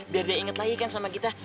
biar dia inget lagi kan sama kita